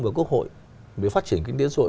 và quốc hội về phát triển kinh tiến rội